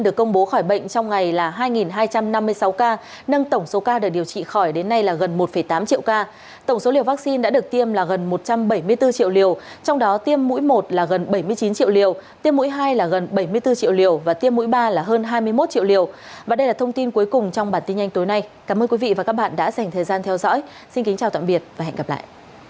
cảm ơn quý vị và các bạn đã dành thời gian theo dõi xin kính chào tạm biệt và hẹn gặp lại